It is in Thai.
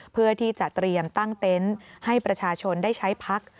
เพื่อที่จะเตรียมตั้งเต็นต์ให้ประชาชนได้ใช้พัก